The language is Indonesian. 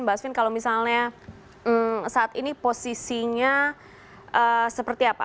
mbak asvin kalau misalnya saat ini posisinya seperti apa